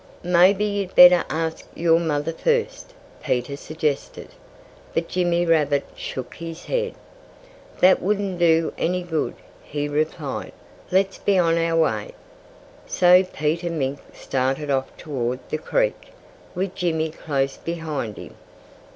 "Maybe you'd better ask your mother first," Peter suggested. But Jimmy Rabbit shook his head. "That wouldn't do any good," he replied. "Let's be on our way!" So Peter Mink started off toward the creek, with Jimmy close behind him.